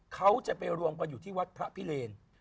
เขาจะไปรวมกันอยู่ที่วัดพระพิเรน